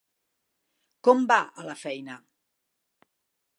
Com va a la feina?